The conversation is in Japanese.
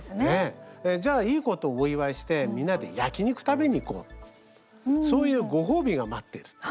じゃあいいことをお祝いしてみんなで焼き肉食べに行こうそういうご褒美が待っている。